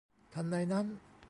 ทันใดนั้น !